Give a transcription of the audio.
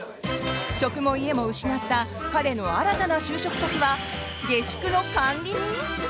職も家も失った彼の新たな就職先は、下宿の管理人？